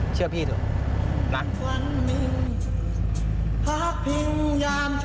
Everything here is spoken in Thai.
เชื่อพี่ถูกนะ